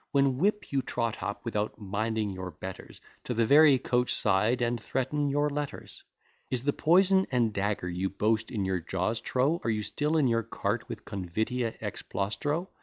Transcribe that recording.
When whip you trot up, without minding your betters, To the very coach side, and threaten your letters. Is the poison [and dagger] you boast in your jaws, trow? Are you still in your cart with convitia ex plaustro?